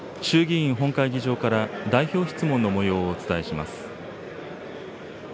衆議院本会議場から、代表質問のもようをお伝えします。